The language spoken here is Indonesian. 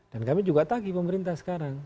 dan kami juga tagih pemerintah sekarang